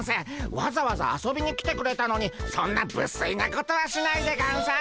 わざわざ遊びに来てくれたのにそんなぶすいなことはしないでゴンス。